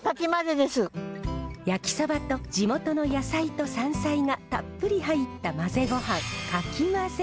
焼きサバと地元の野菜と山菜がたっぷり入った混ぜごはんかきまぜ。